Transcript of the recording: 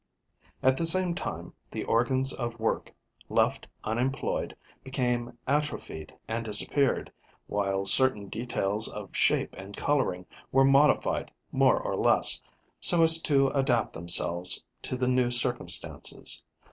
At the same time, the organs of work, left unemployed, became atrophied and disappeared, while certain details of shape and colouring were modified more or less, so as to adapt themselves to the new circumstances.